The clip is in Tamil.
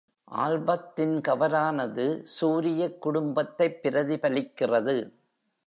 ஆல்பத்தின் கவரானது சூரியக் குடும்பத்தைப் பிரதிபலிக்கிறது.